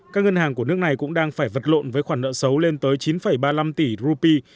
các ngân hàng của nước này cũng đang phải vật lộn với khoản nợ xấu lên tới chín ba mươi năm tỷ rupee